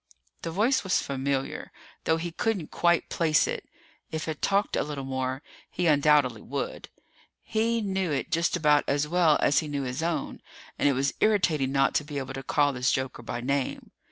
The voice was familiar, though he couldn't quite place it. If it talked a little more, he undoubtedly would. He knew it just about as well as he knew his own, and it was irritating not to be able to call this joker by name.